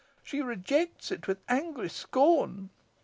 She rejects it with angry scorn.